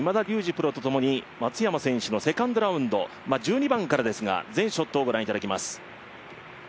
プロとともに松山選手のセカンドラウンド、１２番からですが全ショットをご覧いただきます。